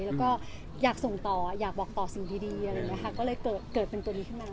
และว่าอยากส่งต่ออยากบอกต่อสิ่งดีอะไรอย่างนี้ค่ะก็ต้องเปิดหนัง